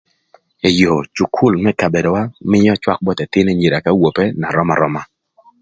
Ëyö, cukul më kabedowa mïö cwak both ëthïn anyira k'awope na röm aröma.